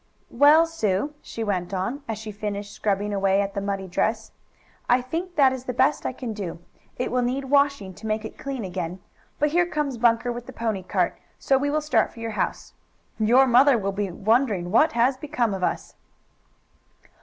"Well, Sue," she went on, as she finished scrubbing away at the muddy dress. "I think that is the best I can do. It will need washing to make it clean again. But here comes Bunker with the pony cart, so we will start for your house. Your mother will be wondering what has become of us."